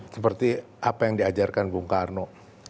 seperti apa yang diajarkan bung karno